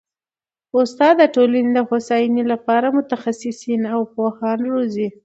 استاد د ټولني د هوسايني لپاره متخصصین او پوهان روزي.